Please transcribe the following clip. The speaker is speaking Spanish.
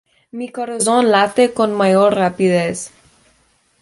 Mi corazón late con mayor rapidez.